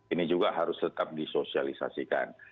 ini juga harus tetap disosialisasikan